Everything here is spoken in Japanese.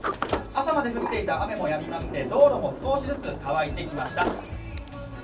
朝まで降っていた雨もやみまして道路も少しずつ乾いてきました。